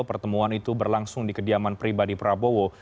pertemuan itu berlangsung di kediaman pribadi prabowo